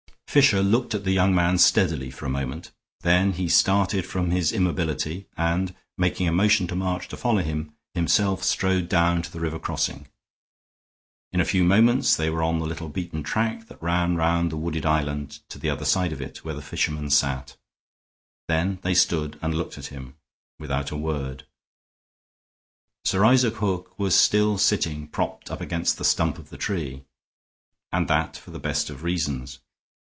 Fisher looked at the young man steadily for a moment; then he started from his immobility and, making a motion to March to follow him, himself strode down to the river crossing. In a few moments they were on the little beaten track that ran round the wooded island, to the other side of it where the fisherman sat. Then they stood and looked at him, without a word. Sir Isaac Hook was still sitting propped up against the stump of the tree, and that for the best of reasons.